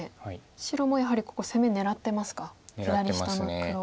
白もやはりここ攻め狙ってますか左下の黒を。